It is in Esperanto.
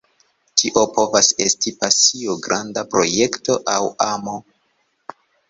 Tio povas esti pasio, granda projekto, aŭ amo.